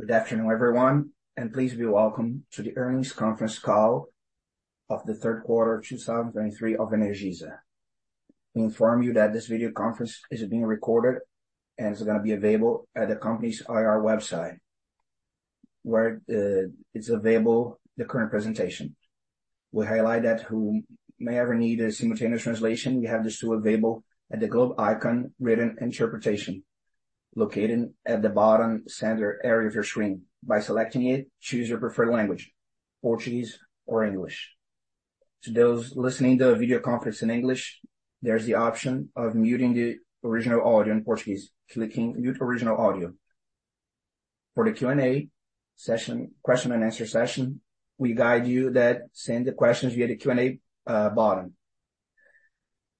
Good afternoon, everyone, and please be welcome to the earnings conference call of the third quarter 2023 of Energisa. We inform you that this video conference is being recorded and it's gonna be available at the company's IR website, where is available the current presentation. We highlight that who may ever need a simultaneous translation, we have this tool available at the globe icon written interpretation, located at the bottom center area of your screen. By selecting it, choose your preferred language, Portuguese or English. To those listening to a video conference in English, there's the option of muting the original audio in Portuguese, clicking Mute Original Audio. For the Q&A session, question and answer session, we guide you that send the questions via the Q&A button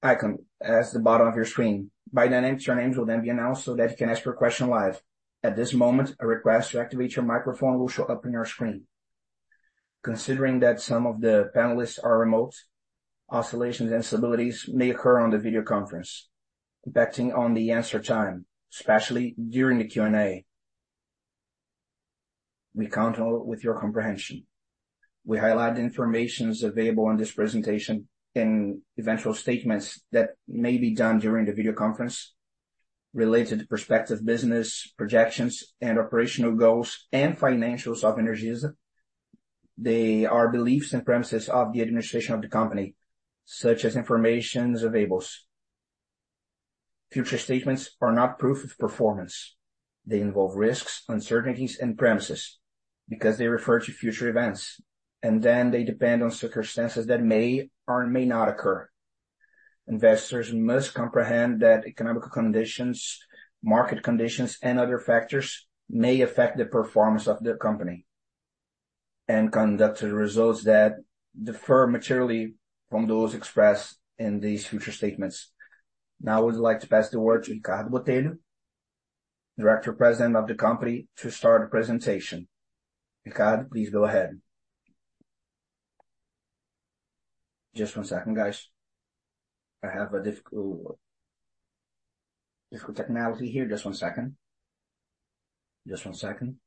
icon at the bottom of your screen. By then, names, your names will then be announced so that you can ask your question live. At this moment, a request to activate your microphone will show up on your screen. Considering that some of the panelists are remote, oscillations and instabilities may occur on the video conference, impacting on the answer time, especially during the Q&A. We count on your comprehension. We highlight the information is available on this presentation and eventual statements that may be done during the video conference, related to prospective business projections and operational goals and financials of Energisa. They are beliefs and premises of the administration of the company, such as information available. Future statements are not proof of performance. They involve risks, uncertainties and premises because they refer to future events, and then they depend on circumstances that may or may not occur. Investors must comprehend that economic conditions, market conditions, and other factors may affect the performance of the company and could cause the results that differ materially from those expressed in these forward-looking statements. Now, I would like to pass the word to Ricardo Botelho, Director President of the company, to start the presentation. Ricardo, please go ahead. Just one second, guys. I have a difficult technology here. Just one second. Just one second.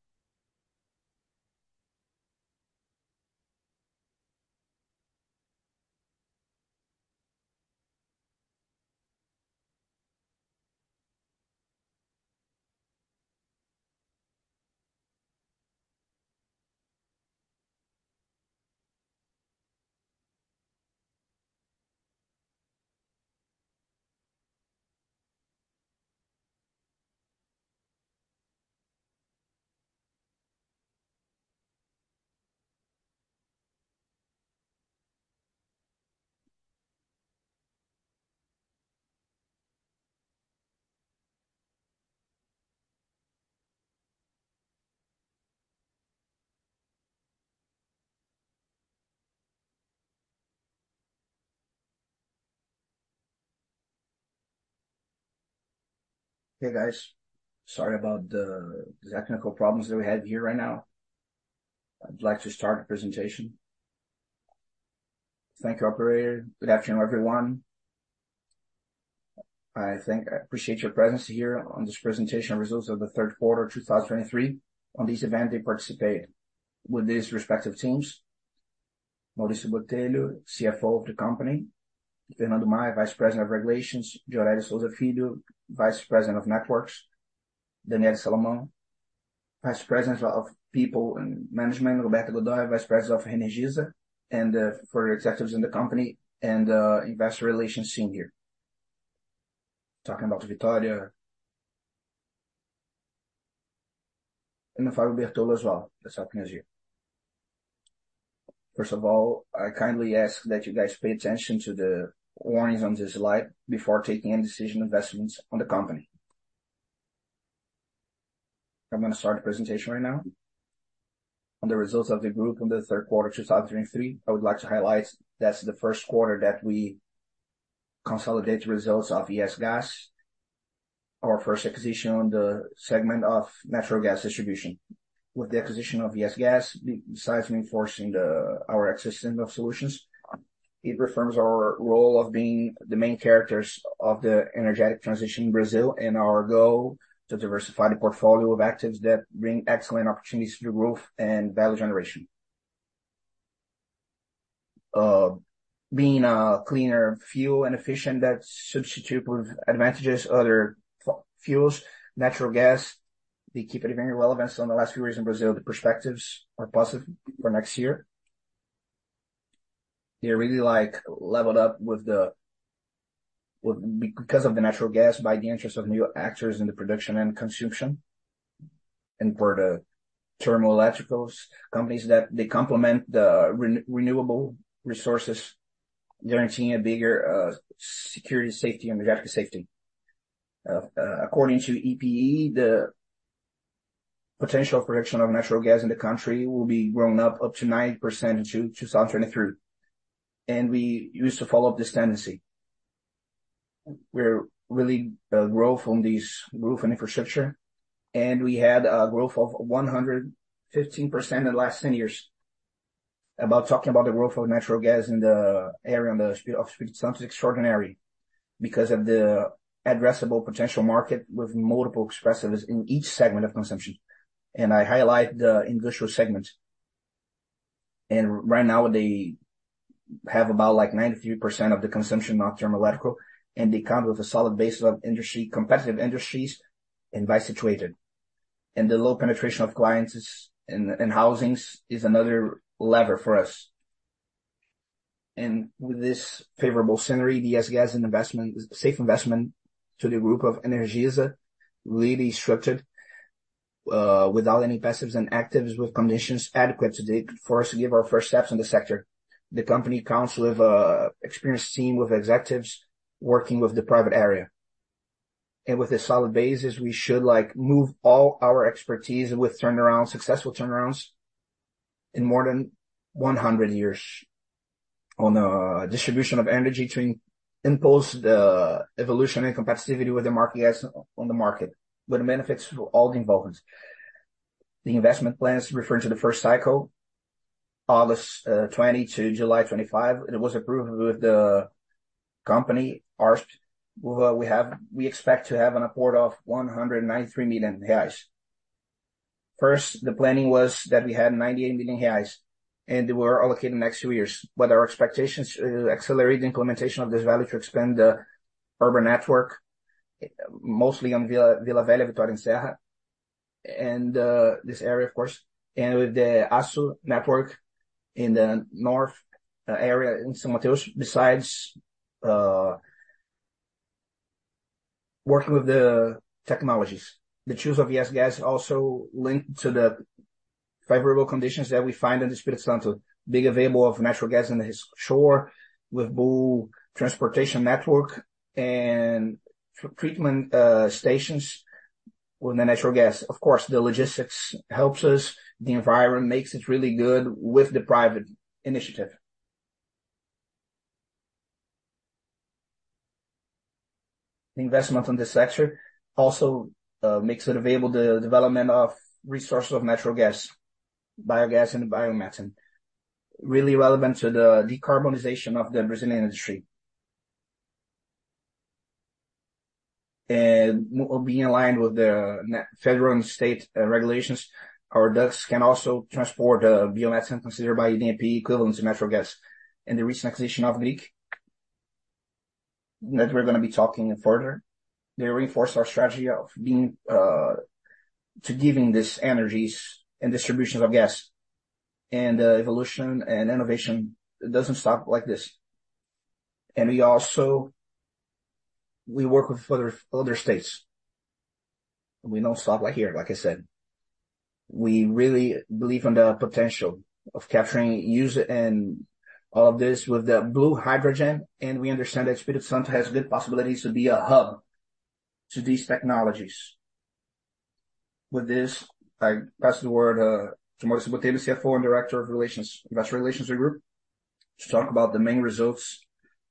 Hey, guys, sorry about the technical problems that we had here right now. I'd like to start the presentation. Thank you, operator. Good afternoon, everyone. I thank. I appreciate your presence here on this presentation of results of the third quarter 2023. On this event, they participate with these respective teams: Maurício Botelho, CFO of the company; Fernando Alves, Vice President of Regulations; Gioreli de Sousa Filho, Vice President of Networks; Daniele Salomão, Vice President of People and Management; Roberta Godoi, Vice President of Energisa, and for executives in the company and investor relations senior. Lucas Vituri. And Fábio Bertollo as well, that's up here as you. First of all, I kindly ask that you guys pay attention to the warnings on this slide before taking any decision investments on the company. I'm gonna start the presentation right now. On the results of the group on the third quarter, 2023, I would like to highlight that's the first quarter that we consolidate the results of ES Gás, our first acquisition on the segment of natural gas distribution. With the acquisition of ES Gás, besides reinforcing our existing solutions, it reaffirms our role of being the main characters of the energy transition in Brazil, and our goal to diversify the portfolio of assets that bring excellent opportunities for growth and value generation. Being a cleaner fuel and efficient that substitute with advantages other fuels, natural gas, they keep it very relevant. So in the last few years in Brazil, the perspectives are positive for next year. They're really, like, leveled up with the. With-- Because of the natural gas, by the interest of new actors in the production and consumption, and for the thermal electric companies that they complement the renewable resources, guaranteeing a bigger security, safety, and energy security. According to EPE, the potential production of natural gas in the country will be growing up to 90% in 2033, and we used to follow up this tendency. We're really grow from this growth in infrastructure, and we had a growth of 115% in the last ten years. About talking about the growth of natural gas in the area of the state of Espírito Santo is extraordinary, because of the addressable potential market with multiples expressives in each segment of consumption, and I highlight the industrial segments. And right now, they have about, like, 93% of the consumption of thermal electrical, and they come with a solid base of industry, competitive industries, and well situated. And the low penetration of clients and housings is another lever for us. With this favorable scenery, the ES Gás investment, safe investment to the group of Energisa, really structured, without any passives and actives, with conditions adequate for us to give our first steps in the sector. The company counts with an experienced team, with executives working with the private area. With a solid basis, we should, like, move all our expertise with turnarounds, successful turnarounds in more than 100 years on the distribution of energy to impulse the evolution and competitiveness with the market gas on the market, with the benefits for all the involvements. The investment plans referring to the first cycle, August 2020 to July 2025, it was approved with the company, ARSP. We expect to have an apport of 193 million reais. First, the planning was that we had 98 million reais, and they were allocated in the next two years. But our expectations accelerate the implementation of this value to expand the urban network, mostly on Vila, Vila Velha, Vitória and Serra, and this area, of course, and with the steel network Being aligned with the national, federal and state regulations, our ducts can also transport biomethane, considered by ANP equivalent to natural gas. And the recent acquisition of Agric, that we're gonna be talking further, they reinforced our strategy of being to giving these energies and distributions of gas, and evolution and innovation doesn't stop like this. And we also... We work with other states, and we don't stop, like, here, like I said. We really believe in the potential of capturing, use it, and all of this with the blue hydrogen, and we understand that Espírito Santo has good possibilities to be a hub to these technologies. With this, I pass the word to Maurício Botelho, CFO and Director of Investor Relations, to talk about the main results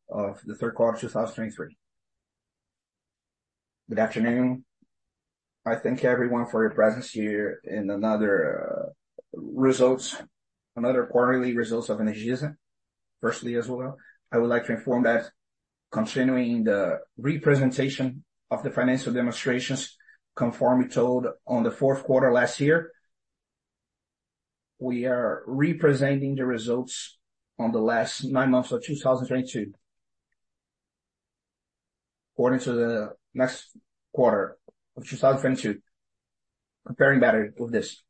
of the third quarter of 2023. Good afternoon. I thank everyone for your presence here in another, uh, results, another quarterly results of Energisa. Firstly, as well, I would like to inform that continuing the representation of the financial statements, as we told in the fourth quarter last year, we are representing the results in the last nine months of 2022. According to the next quarter of 2022, comparing better with this.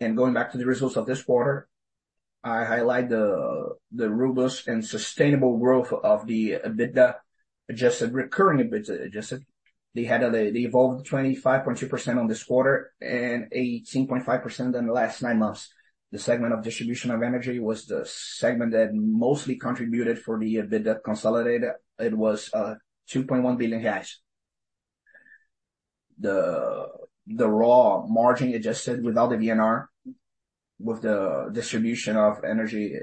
And going back to the results of this quarter, I highlight the, the robust and sustainable growth of the EBITDA, adjusted--recurring EBITDA adjusted. They evolved 25.2% in this quarter and 18.5% in the last nine months. The segment of distribution of energy was the segment that mostly contributed for the EBITDA consolidated. It was, uh, 2.1 billion reais. The raw margin adjusted without the VNR, with the distribution of energy,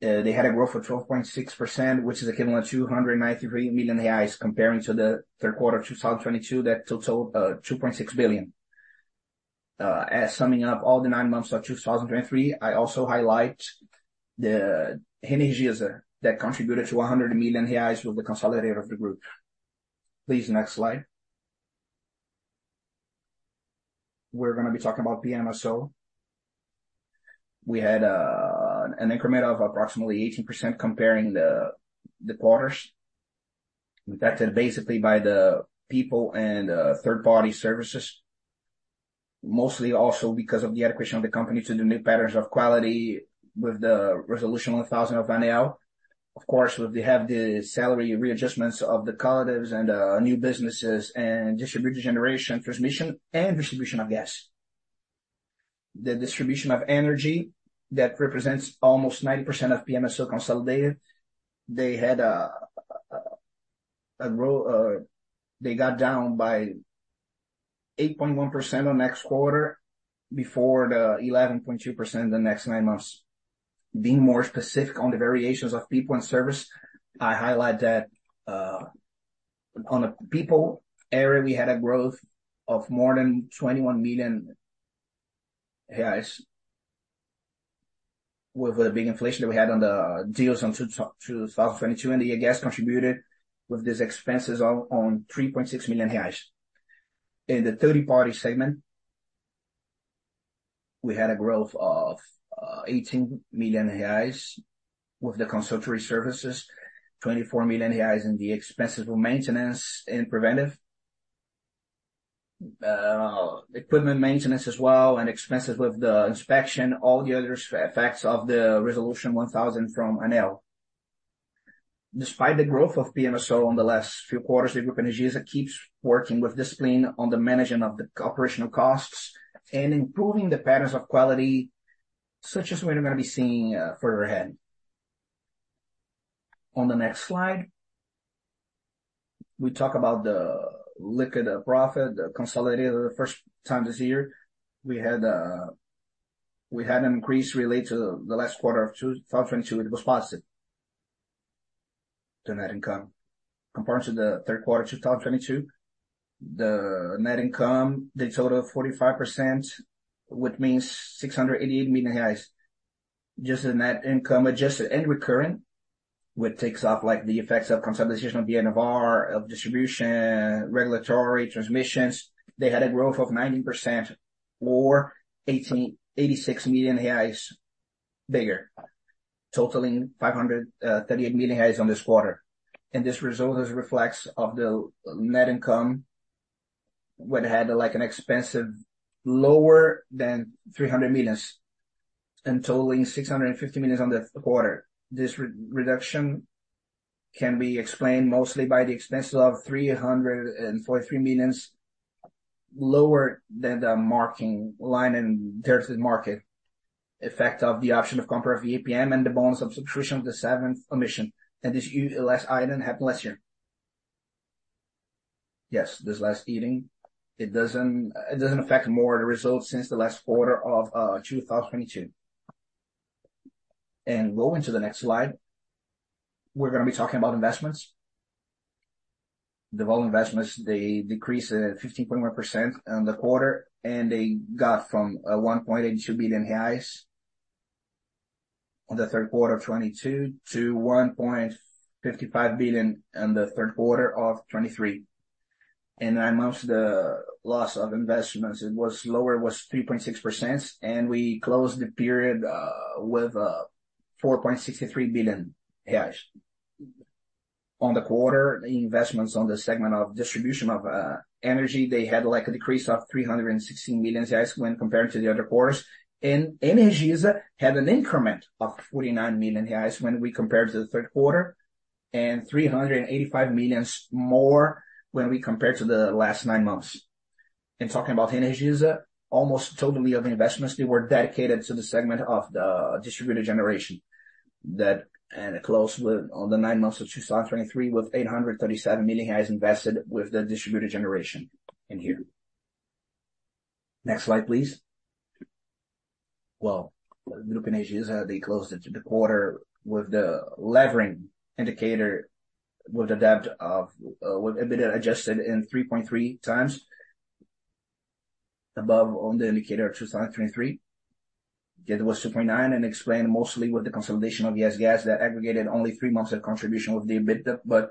they had a growth of 12.6%, which is equivalent to 293 million reais, comparing to the third quarter of 2022, that totaled two point six billion. As summing up all the nine months of 2023, I also highlight the Energisa that contributed to 100 million reais with the consolidator of the group. Please, next slide. We're gonna be talking about PMSO. We had an increment of approximately 18% comparing the quarters, impacted basically by the people and third-party services. Mostly also because of the acquisition of the company to do new patterns of quality with the ANEEL Resolution No. 1,000. Of course, we have the salary readjustments of the collectives and new businesses, and distributed generation, transmission, and distribution of gas. The distribution of energy, that represents almost 90% of PMSO consolidated, they had a growth. They got down by 8.1% on next quarter before the 11.2% in the next nine months. Being more specific on the variations of people and service, I highlight that. On the people area, we had a growth of more than 21 million reais with the big inflation that we had on the deals on 2022, and I guess contributed with these expenses of 3.6 million reais. In the third party segment, we had a growth of 18 million reais with the consultancy services, 24 million reais in the expenses of maintenance and preventive equipment maintenance as well, and expenses with the inspection, all the other effects of Resolution 1000 from ANEEL. Despite the growth of PMSO on the last few quarters, the Group Energisa keeps working with discipline on the management of the operational costs and improving the patterns of quality, such as we're gonna be seeing further ahead. On the next slide, we talk about the net profit, the consolidated. The first time this year, we had an increase related to the last quarter of 2022, it was positive, the net income. Compared to the third quarter of 2022, the net income, they total 45%, which means 688 million reais. Just the net income, adjusted and recurring, which takes off like the effects of consolidation of the VNR, of distribution, regulatory transmissions. They had a growth of 90% or eighty-six million reais bigger, totaling five hundred, thirty-eight million reais on this quarter. And this result reflects of the net income, which had like an expense, lower than 300 million and totaling 650 million on the quarter. This reduction can be explained mostly by the expense of 343 million, lower than the mark-to-market, and there's the market effect of the option of compare of the MTM and the bonus of subscription of the seventh emission. This last item happened last year. Yes, this last item, it doesn't, it doesn't affect more the results since the last quarter of 2022. Going to the next slide, we're gonna be talking about investments. The total investments, they decreased 15.1% on the quarter, and they got from 1.82 billion on the third quarter of 2022 to 1.55 billion in the third quarter of 2023. And amongst the loss of investments, it was lower, it was 3.6%, and we closed the period with 4.63 billion. On the quarter, the investments on the segment of distribution of energy, they had like a decrease of 316 million reais when compared to the other quarters. Energisa had an increment of 49 million reais when we compared to the third quarter, and 385 million more when we compared to the last nine months. In talking about Energisa, almost totally of investments, they were dedicated to the segment of the distributed generation. That and close with on the nine months of 2023, with 837 million invested with the distributed generation in here. Next slide, please. Well, Grupo Energisa, they closed the quarter with the leverage indicator, with the debt of with EBITDA adjusted in 3.3 times above on the indicator of 2023. It was 2.9, and explained mostly with the consolidation of ES Gás, that aggregated only three months of contribution with the EBITDA, but...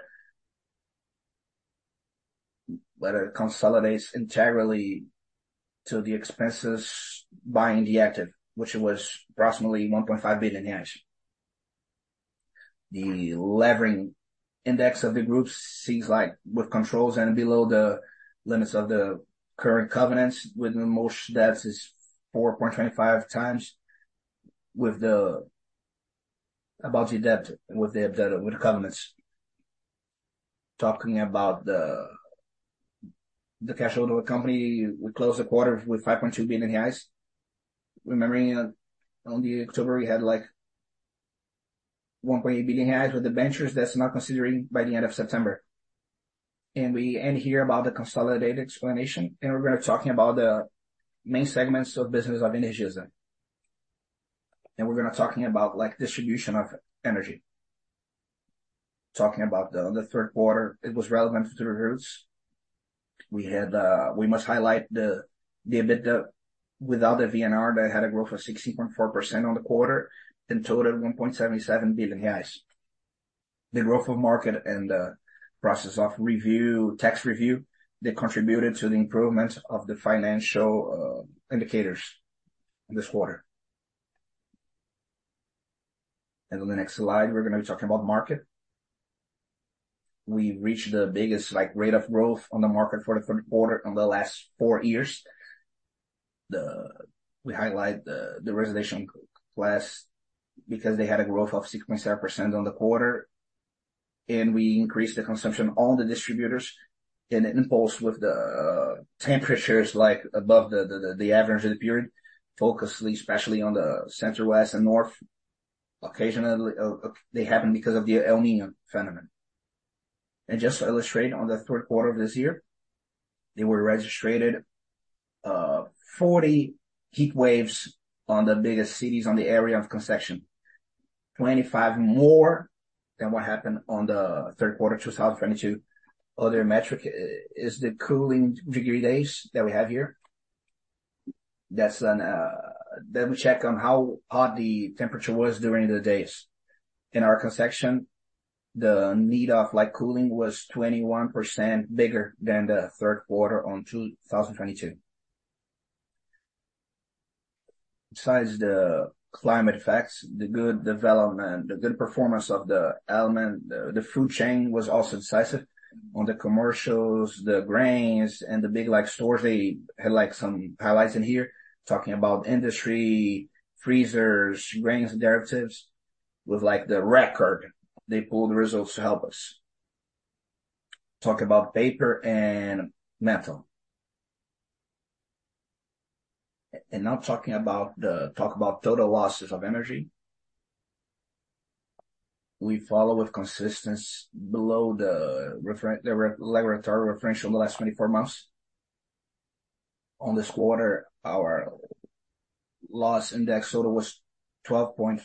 whether it consolidates entirely to the expenses buying the asset, which was approximately BRL 1.5 billion. The leverage index of the group seems like with controls and below the limits of the current covenants, with the net debt is 4.25 times with the-- about the debt, with the debt, with the covenants. Talking about the cash flow to our company, we closed the quarter with 5.2 billion. Remembering in on the October, we had like 1.8 billion reais with the debentures that's not considering by the end of September. And we end here about the consolidated explanation, and we're gonna talking about the main segments of business of Energisa. And we're gonna talking about like, distribution of energy. Talking about the third quarter, it was relevant to the results. We had, we must highlight the EBITDA without the VNR, that had a growth of 16.4% on the quarter and totaled 1.77 billion. The growth of market and the process of review, tax review, they contributed to the improvement of the financial indicators this quarter. On the next slide, we're gonna be talking about market. We reached the biggest, like, rate of growth on the market for the current quarter on the last four years. We highlight the residential class because they had a growth of 6.7% on the quarter, and we increased the consumption on the distributors, and it impulse with the temperatures like above the average of the period, focusedly, especially on the Center, West, and North. Occasionally, they happen because of the El Niño phenomenon. Just to illustrate, in the third quarter of this year, they were registered 40 heat waves in the biggest cities in the area of concession, 25 more than what happened in the third quarter, 2022. Other metric is the cooling degree days that we have here. That's an, let me check on how hot the temperature was during the days. In our concession, the need of, like, cooling was 21% bigger than the third quarter in 2022. Besides the climate effects, the good development, the good performance of the element, the, the food chain was also decisive on the commercials, the grains, and the big, like, stores. They had, like, some highlights in here, talking about industry, freezers, grains, derivatives, with, like, the record, they pulled the results to help us. Talk about paper and metal. And now talking about total losses of energy. We follow with consistency below the regulatory reference from the last 24 months. On this quarter, our loss index total was 12.53%,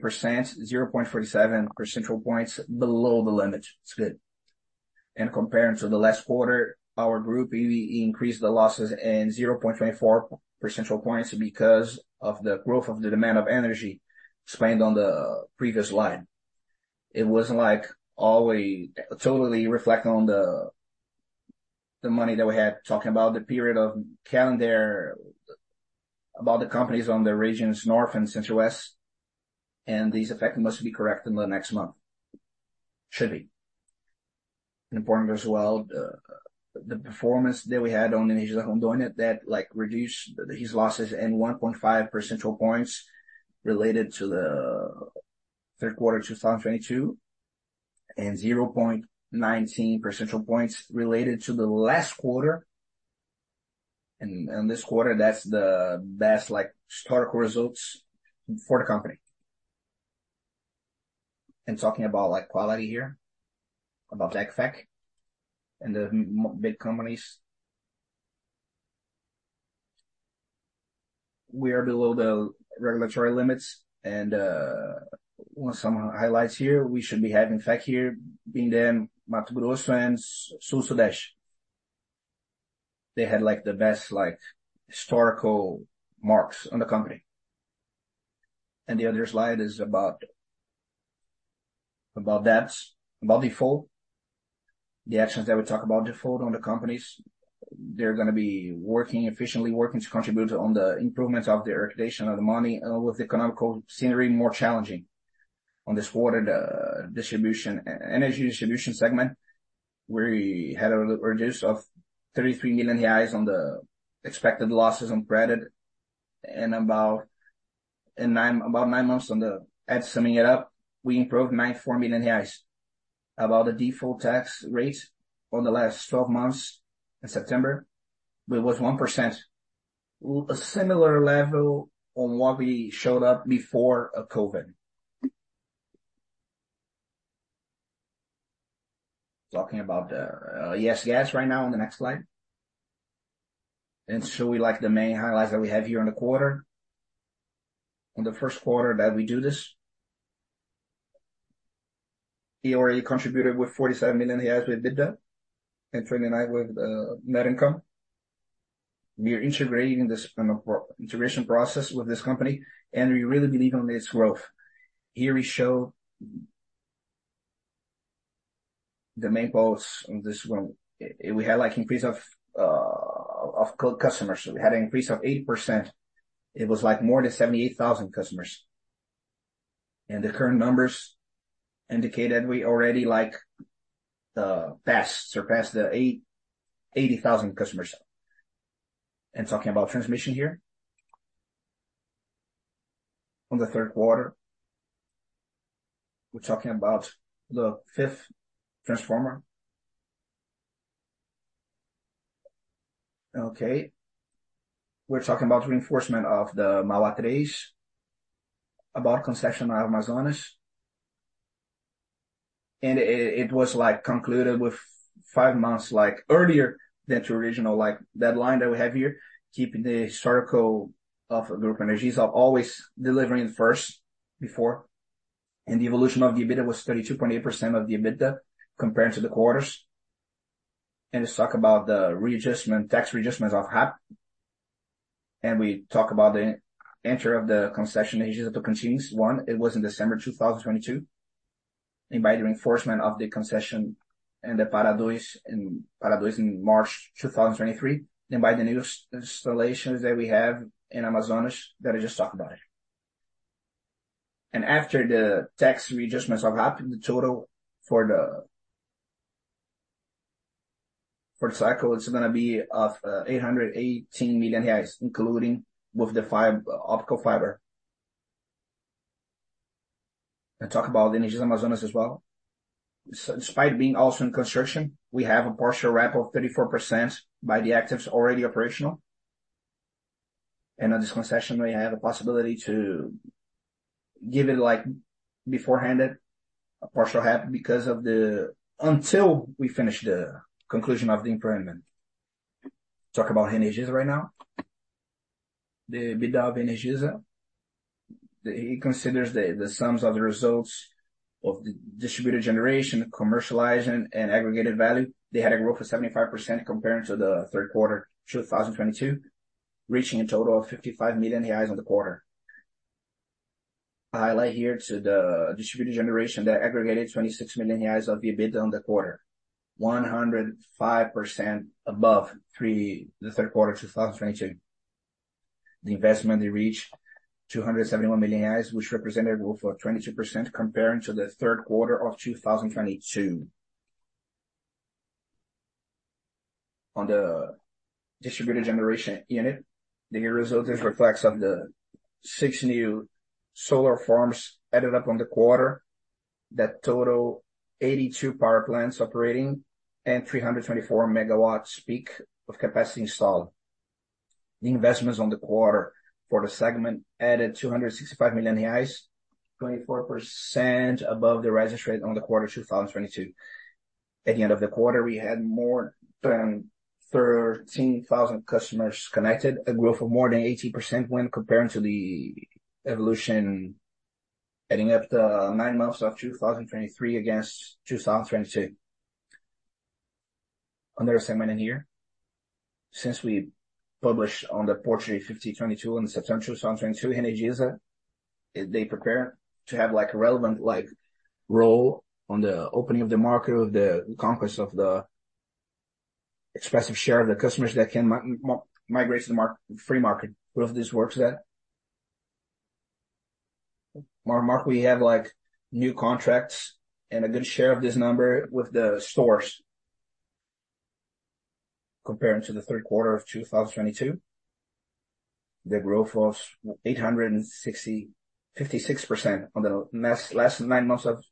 0.47 percentage points below the limit. It's good. And comparing to the last quarter, our group, we increased the losses in 0.24 percentage points because of the growth of the demand of energy explained on the previous line. It wasn't like all we totally reflect on the money that we had talking about the period of calendar, about the companies on the regions North and Central West, and this effect must be correct in the next month. Should be. Important as well, the performance that we had on Energisa Rondônia, that, like, reduced these losses in 1.5 percentage points related to the third quarter, 2022, and 0.19 percentage points related to the last quarter. And this quarter, that's the best, like, historical results for the company. And talking about, like, quality here, about the FEC and the big companies. We are below the regulatory limits and want some highlights here, we should be having FEC here, being them Mato Grosso and Sul-Sudeste. They had, like, the best, like, historical marks on the company. And the other slide is about debts, about default. The actions that we talk about default on the companies, they're gonna be working efficiently, working to contribute on the improvement of the allocation of the money, with the economic scenario more challenging. On this quarter, the distribution, electricity distribution segment, we had a reduction of 33 million reais on the expected losses on credit, and about nine months. And summing it up, we improved 94 million reais. About the default rate on the last 12 months in September, it was 1%, a similar level on what we showed up before COVID. Talking about ES Gás right now on the next slide. So we like the main highlights that we have here on the quarter, on the first quarter that we do this. We already contributed with 47 million with EBITDA and 29 million with net income. We are integrating this from a pro-integration process with this company, and we really believe on this growth. Here we show the main points on this one. We had, like, increase of customers. We had an increase of 80%. It was, like, more than 78,000 customers, and the current numbers indicate that we already have surpassed the 80,000 customers. Talking about transmission here, on the third quarter, we're talking about the fifth transformer. Okay, we're talking about reinforcement of the Mauá 3, about concession of Amazonas. And it was, like, concluded five months earlier than the original deadline that we have here, keeping the historical of Group Energisa always delivering first, before. And the evolution of the EBITDA was 32.8% of the EBITDA compared to the quarters. And let's talk about the readjustment, tax readjustments of RAP, and we talk about the enter of the concession Energisa Tocantins I. It was in December 2022, and by the reinforcement of the concession in the Pará II, in Pará II in March 2023, and by the new installations that we have in Amazonas that I just talked about. And after the tax readjustments of RAP, the total for the, for the cycle, it's gonna be of, 818 million reais, including with the five optical fiber. And talk about Energisa Amazonas as well. So despite being also in construction, we have a partial ramp of 34% by the actives already operational. And on this concession, we have a possibility to give it, like, beforehand, a partial help because of the, until we finish the conclusion of the improvement. Talk about Energisa right now. The EBITDA of Energisa, he considers the sums of the results of the distributed generation, commercializing, and aggregated value. They had a growth of 75% compared to the third quarter 2022, reaching a total of 55 million reais in the quarter. A highlight here to the distributed generation that aggregated 26 million reais of EBITDA in the quarter, 105% above the third quarter of 2022. The investment, they reached 271 million, which represented a growth of 22% comparing to the third quarter of 2022. On the distributed generation unit, the results is reflects of the 6 new solar farms added up on the quarter, that total 82 power plants operating and 324 megawatts peak of capacity installed. The investments on the quarter for the segment added 265 million reais, 24% above the rise rate on the quarter 2022. At the end of the quarter, we had more than 13,000 customers connected, a growth of more than 18% when comparing to the evolution, adding up the 9 months of 2023 against 2022. On their segment in here, since we published on the ACL 2022 in September 2022, Energisa, they prepare to have, like, a relevant, like, role on the opening of the market, of the conquest of the expressive share of the customers that can migrate to the free market. Well, this works that. Our market, we have, like, new contracts and a good share of this number with the stores. Comparing to the third quarter of 2022, the growth was 856% on the last nine months of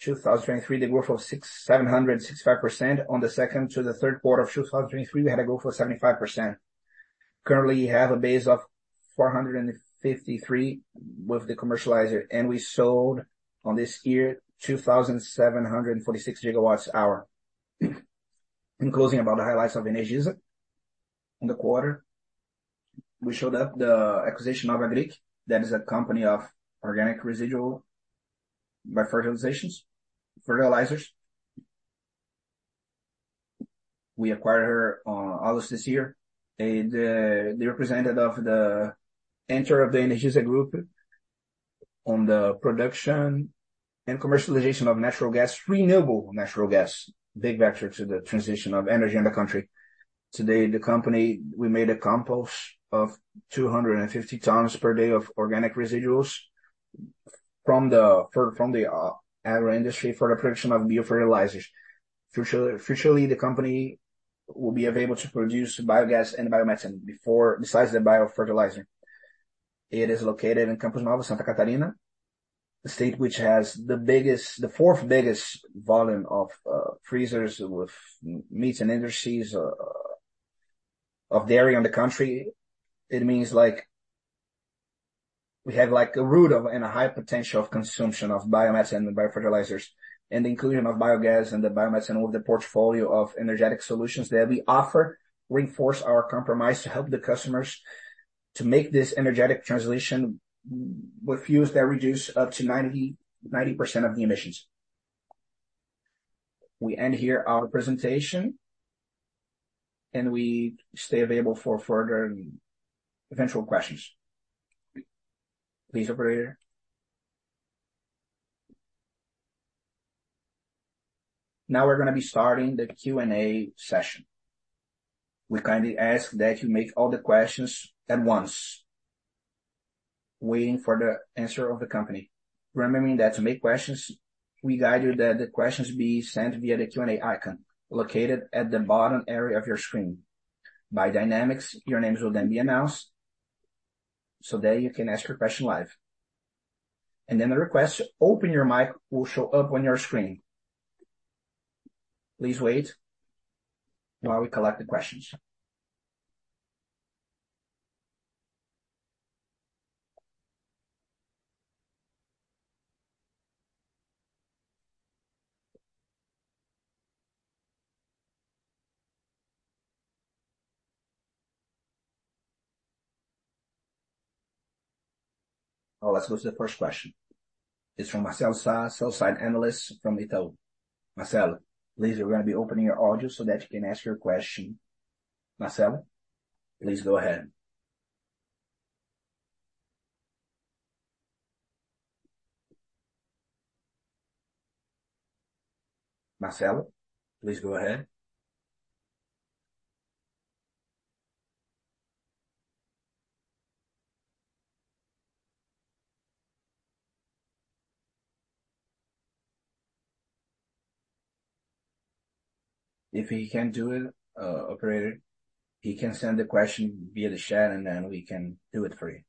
2023, the growth of 765%. On the second to the third quarter of 2023, we had a growth of 75%. Currently, we have a base of 453 with the commercializer, and we sold on this year, 2,746 gigawatt hours. In closing about the highlights of Energisa, in the quarter, we showed up the acquisition of Agric, that is a company of organic residual biofertilizers. We acquired her on August this year, and they represented of the entry of the Energisa Group on the production and commercialization of natural gas, renewable natural gas, big factor to the transition of energy in the country. Today, the company, we made a compost of 250 tons per day of organic residuals from the agro industry for the year production of biofertilizers. In the future, the company will be available to produce biogas and biomethane besides the biofertilizer. It is located in Campos Novos, Santa Catarina, a state which has the fourth biggest volume of freezers with meats and industries of the area in the country. It means, like, we have, like, a root of and a high potential of consumption of biomass and biofertilizers. And the inclusion of biogas and the biomethane with the portfolio of energetic solutions that we offer reinforce our compromise to help the customers to make this energetic transition with fuels that reduce up to 90%-90% of the emissions. We end here our presentation, and we stay available for further eventual questions. Please, operator. Now we're gonna be starting the Q&A session. We kindly ask that you make all the questions at once, waiting for the answer of the company. Remembering that to make questions, we guide you that the questions be sent via the Q&A icon located at the bottom area of your screen. By dynamics, your names will then be announced, so that you can ask your question live. And then a request, "Open your mic," will show up on your screen. Please wait while we collect the questions. Well, let's go to the first question. It's from Marcel Sá, sell-side analyst from Itaú. Marcel, please, we're gonna be opening your audio so that you can ask your question. Marcel, please go ahead. Marcel, please go ahead. If he can't do it, operator, he can send the question via the chat, and then we can do it for you.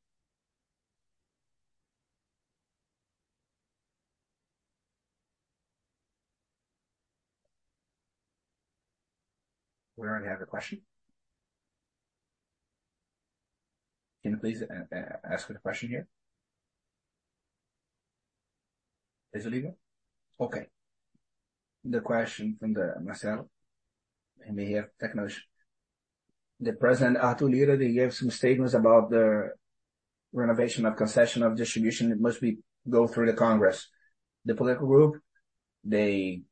We already have a question? Can you please ask the question here? Is it legal? Okay. The question from the Marcel, maybe have technician. The President, Arthur Lira, they gave some statements about the renovation of concession of distribution. It must be go through the Congress. The political group, they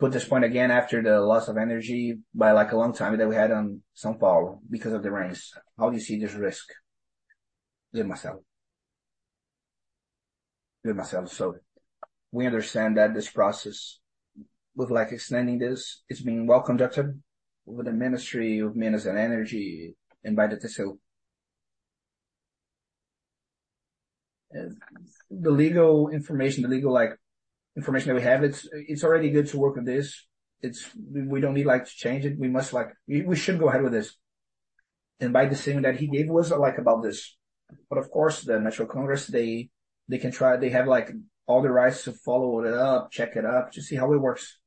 put this point again after the loss of energy by, like, a long time that we had on São Paulo because of the rains. How do you see this risk? Good, Marcel. Good, Marcel. So we understand that this process, with, like, extending this, it's being well conducted with the Ministry of Mines and Energy invited to help. The legal information, the legal, like, information that we have, it's, it's already good to work with this. It's. We don't need, like, to change it. We must, like... We, we should go ahead with this. And by deciding that he gave us, like, about this, but of course, the National Congress, they, they can try, they have, like, all the rights to follow it up, check it up, to see how it works.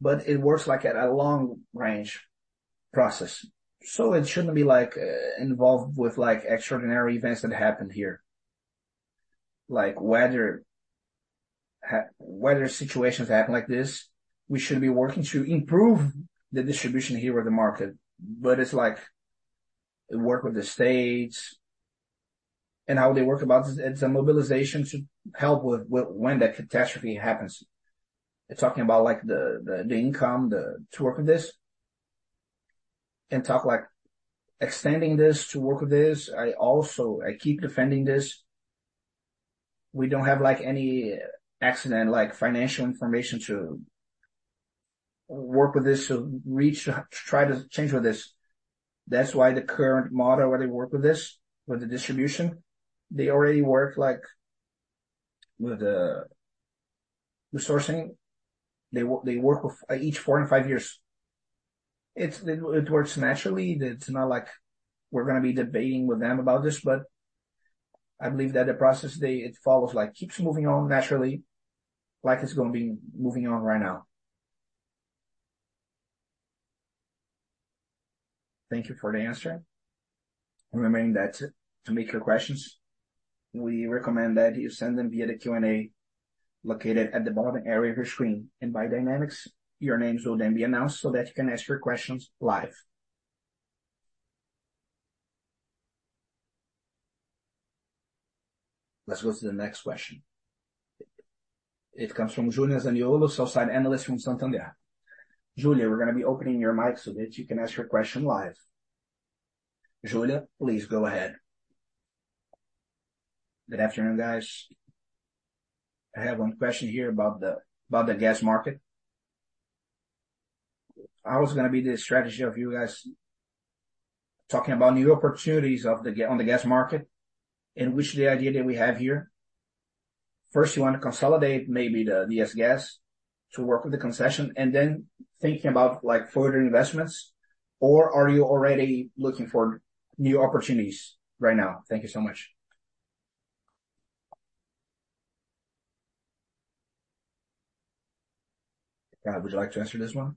But it works, like, at a long range process, so it shouldn't be, like, involved with, like, extraordinary events that happened here. Like, whether whether situations happen like this, we should be working to improve the distribution here in the market, but it's like work with the states and how they work about it. It's a mobilization to help with, with when that catastrophe happens. They're talking about, like, the, the, the income, the, to work with this and talk, like, extending this, to work with this. I also, I keep defending this. We don't have, like, any accident, like, financial information to work with this, so reach, try to change with this. That's why the current model, where they work with this, with the distribution, they already work, like, with the sourcing. They work with each four and five years. It works naturally. It's not like we're gonna be debating with them about this, but I believe that the process, it follows, like, keeps moving on naturally, like it's gonna be moving on right now. Thank you for the answer. Remembering that to make your questions, we recommend that you send them via the Q&A located at the bottom area of your screen, and by dynamics, your names will then be announced so that you can ask your questions live. Let's go to the next question. It comes from Julia Zaniolo, sell-side analyst from Santander. Julia, we're gonna be opening your mic so that you can ask your question live. Julia, please go ahead. Good afternoon, guys. I have one question here about the, about the gas market. How is gonna be the strategy of you guys talking about new opportunities of the-- on the gas market, and which the idea that we have here? First, you want to consolidate maybe the ES Gás to work with the concession and then thinking about, like, further investments, or are you already looking for new opportunities right now? Thank you so much. Gab, would you like to answer this one?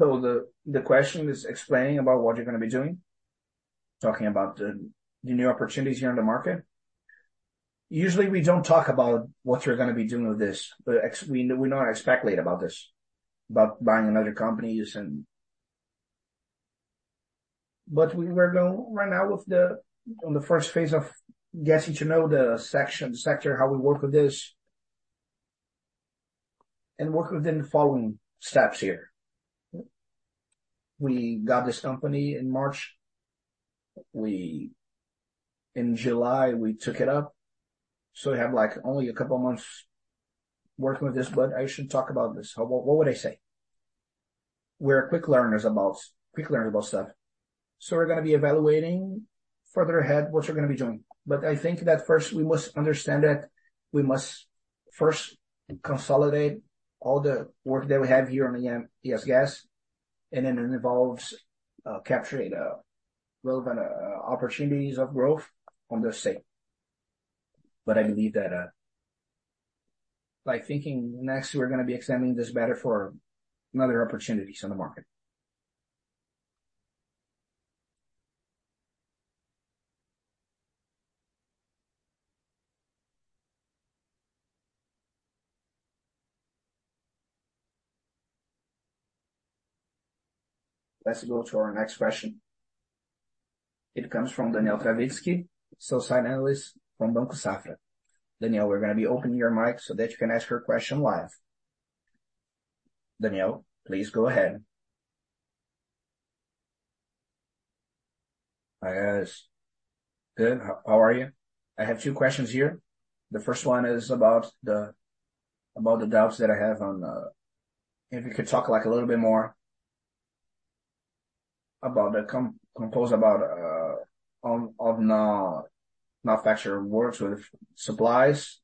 So the, the question is explaining about what you're gonna be doing, talking about the, the new opportunities here on the market. Usually, we don't talk about what you're gonna be doing with this, but ex-- we, we don't speculate about this, about buying another companies and... But we're going right now with the first phase of getting to know the sector, how we work with this, and work within the following steps here. We got this company in March. In July, we took it up, so we have, like, only a couple of months working with this, but I should talk about this. So what would I say? We're quick learners about stuff. So we're gonna be evaluating further ahead what you're gonna be doing. But I think that first we must understand that we must first consolidate all the work that we have here on the ES Gás, and then it involves capturing relevant opportunities of growth on the site. But I believe that by thinking next, we're gonna be examining this better for another opportunities on the market. Let's go to our next question. It comes from Daniel Travitzky, sell-side analyst from Banco Safra. Daniel, we're gonna be opening your mic so that you can ask your question live. Daniel, please go ahead. Hi, guys. Good. How are you? I have two questions here. The first one is about the doubts that I have on. If you could talk, like, a little bit more about the composition about, on, on, maintenance works with supplies,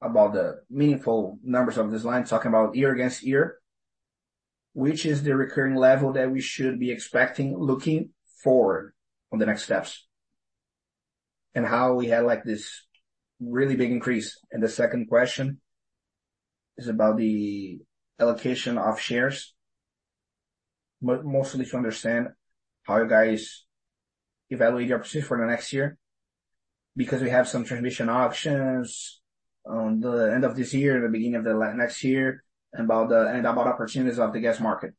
about the meaningful numbers of this line, talking about year-over-year, which is the recurring level that we should be expecting, looking forward on the next steps, and how we had, like, this really big increase? The second question is about the allocation of shares, but mostly to understand how you guys evaluate your pursuit for the next year, because we have some transmission auctions on the end of this year, the beginning of next year, and about opportunities of the gas market.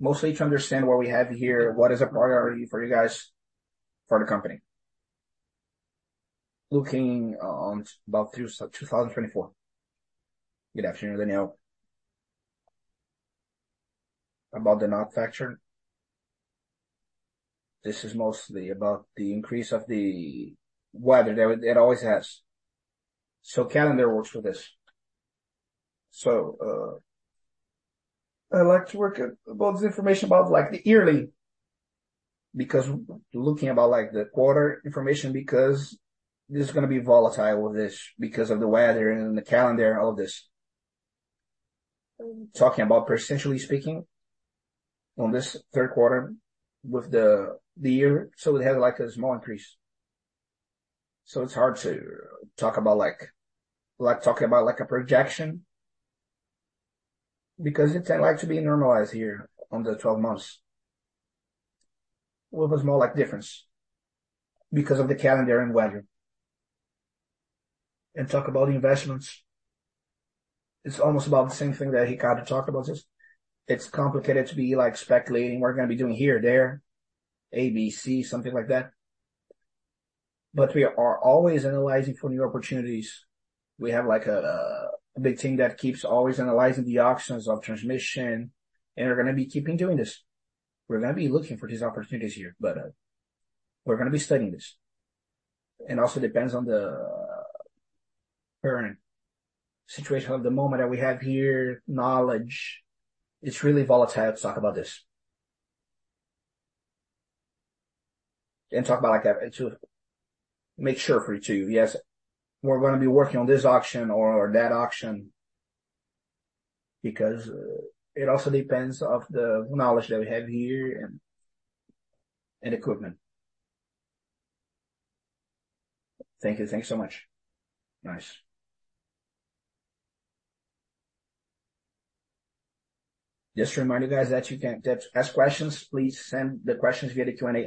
Mostly to understand what we have here, what is a priority for you guys, for the company, looking on about 2024. Good afternoon, Daniel. About the manufacture, this is mostly about the increase of the weather that it always has. So calendar works for this. So, I like to work at about the information about, like, the yearly, because looking about, like, the quarter information, because this is gonna be volatile, this, because of the weather and the calendar, all this. Talking about percentually speaking, on this third quarter with the year, so we had, like, a small increase. So it's hard to talk about, like, a projection, because it's like to be normalized here on the twelve months, with a small, like, difference because of the calendar and weather. And talk about the investments, it's almost about the same thing that Ricardo talked about this. It's complicated to be, like, speculating. We're gonna be doing here, there, A, B, C, something like that. But we are always analyzing for new opportunities. We have, like, a big team that keeps always analyzing the auctions of transmission, and we're gonna be keeping doing this. We're gonna be looking for these opportunities here, but we're gonna be studying this. It also depends on the current situation of the moment that we have here, knowledge. It's really volatile to talk about this. And talk about, like, to make sure for you, too, yes, we're gonna be working on this auction or, or that auction, because, it also depends on the knowledge that we have here and, and equipment. Thank you. Thanks so much. Nice. Just a reminder, guys, that you can... To ask questions, please send the questions via the Q&A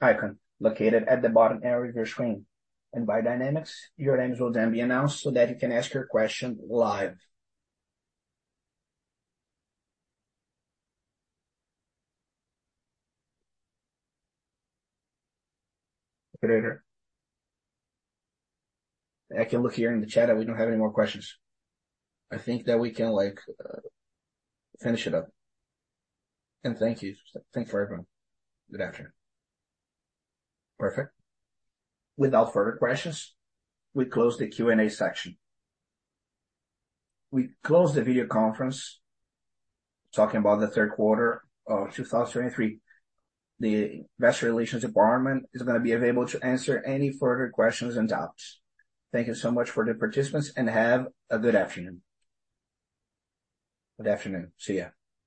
icon located at the bottom area of your screen. And by Dynamics, your names will then be announced so that you can ask your question live. Later. I can look here in the chat, and we don't have any more questions. I think that we can, like, finish it up. And thank you. Thank you for everyone. Good afternoon. Perfect. Without further questions, we close the Q&A section. We close the video conference talking about the third quarter of 2023. The investor relations department is gonna be available to answer any further questions and doubts. Thank you so much for the participants, and have a good afternoon. Good afternoon. See you.